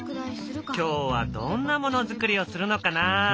今日はどんなものづくりをするのかな。